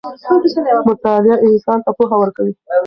مطالعه انسان ته پوهه ورکوي.